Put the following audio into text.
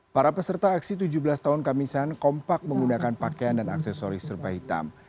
para peserta aksi tujuh belas tahun kamisan kompak menggunakan pakaian dan aksesoris serba hitam